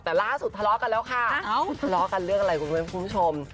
แต่ล่าสุดทะเลาะกันแล้วค่ะทะเลาะกันเรื่องอะไรคุณผู้ชม